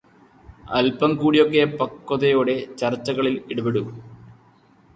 അല്പം കൂടി ഒക്കെ പക്വതയോടെ ചർച്ചകളിൽ ഇടപെടൂ.